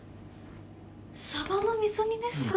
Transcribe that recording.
サバの味噌煮ですか。